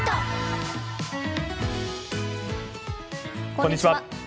こんにちは。